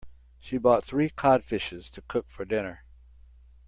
She bought three cod fishes to cook for dinner.